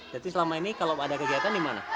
jadi selama ini kalau ada kegiatan di mana